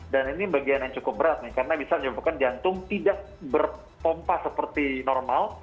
dan ini bagian yang cukup berat nih karena bisa menyebabkan jantung tidak berpompa seperti normal